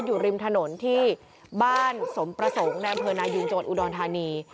อยู่ริมถนนที่บ้านสมประสงค์แนมเภอนายุอยุ้จมต์อุดรธานี